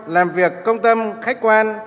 làm việc công tâm khách quan